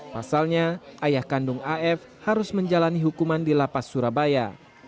pasalnya ayah kandung af harus menjalani hukuman di lapas surabaya